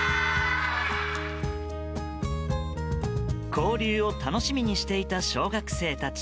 交流を楽しみにしていた小学生たち。